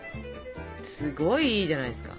すごいいいじゃないですか。